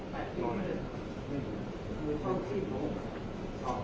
แต่ว่าไม่มีปรากฏว่าถ้าเกิดคนให้ยาที่๓๑